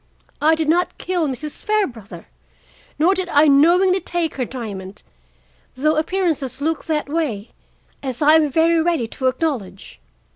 I did not kill Mrs. Fairbrother, nor did I knowingly take her diamond, though appearances look that way, as I am very ready to acknowledge.